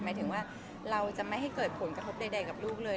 หมายถึงว่าเราจะไม่ให้เกิดผลกระทบใดกับลูกเลย